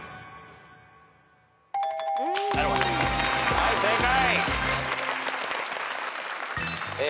はい正解。